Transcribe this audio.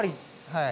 はい。